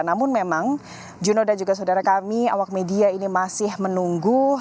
namun memang juno dan juga saudara kami awak media ini masih menunggu